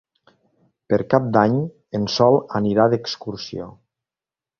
Per Cap d'Any en Sol anirà d'excursió.